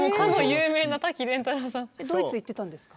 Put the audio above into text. ドイツ行ってたんですか？